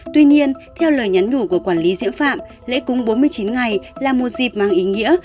tuy nhiên theo lời nhắn nhủ của quản lý diễu phạm lễ cúng bốn mươi chín ngày là một dịp mang ý nghĩa